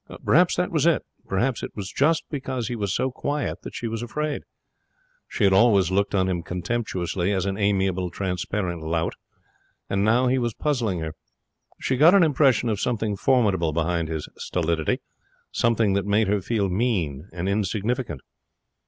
Perhaps that was it. Perhaps it was just because he was so quiet that she was afraid. She had always looked on him contemptuously as an amiable, transparent lout, and now he was puzzling her. She got an impression of something formidable behind his stolidity, something that made her feel mean and insignificant.